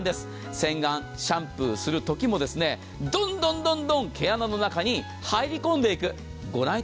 洗顔、シャンプーするときも、どんどん、どんどん毛穴の中に入り込んでいく。